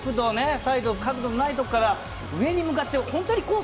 最後、角度ないところから上に向かって、本当にコース